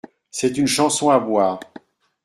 C’est une chanson à boire.